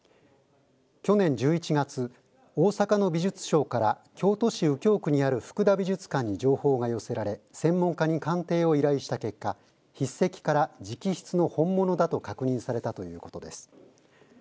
去年１１月大阪の美術商から京都市右京区にある福田美術館に情報が寄せられ専門家に鑑定を依頼した結果筆跡から直筆のものだと確認されたということです。